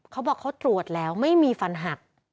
เขาบอกเขาตรวจแล้วไม่มีฟันหัก